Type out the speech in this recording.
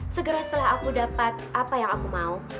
segera setelah aku dapat apa yang aku mau